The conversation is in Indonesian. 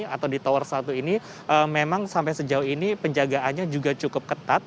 atau di tower satu ini memang sampai sejauh ini penjagaannya juga cukup ketat